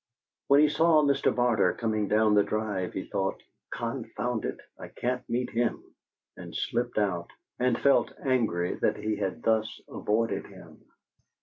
When he saw Mr. Barter coming down the drive he thought, 'Confound it! I can't meet him,' and slipped out, and felt angry that he had thus avoided him.